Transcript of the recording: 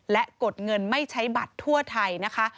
และกดเงินไม่ใช้บัตรทั่วไทยนะคะ